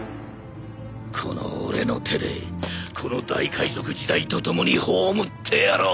この俺の手でこの大海賊時代と共に葬ってやろう。